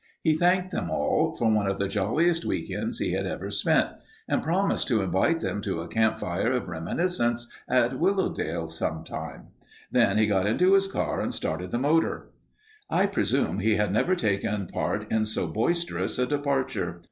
He thanked them all for one of the jolliest week ends he had ever spent, and promised to invite them to a campfire of reminiscence at Willowdale sometime. Then he got into his car and started the motor. I presume he had never taken part in so boisterous a departure.